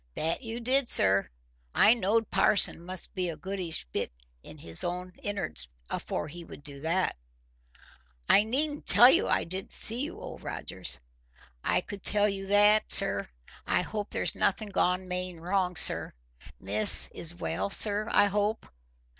"That you did, sir. I knowed parson must be a goodish bit in his own in'ards afore he would do that." "I needn't tell you I didn't see you, Old Rogers." "I could tell you that, sir. I hope there's nothing gone main wrong, sir. Miss is well, sir, I hope?"